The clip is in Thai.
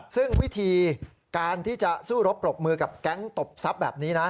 ซึ่งวิธีการที่จะสู้รบปรบมือกับแก๊งตบทรัพย์แบบนี้นะ